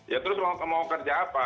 ya terus mau kerja apa